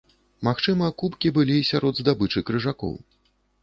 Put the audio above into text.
Магчыма, кубкі былі сярод здабычы крыжакоў.